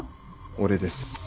俺です